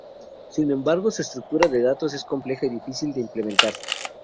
Sin embargo, su estructura de datos es compleja y difícil de implementar.